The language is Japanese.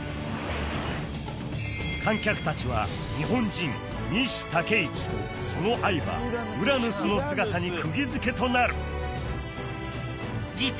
観客たちは日本人西竹一とその愛馬ウラヌスの姿に釘付けとなる！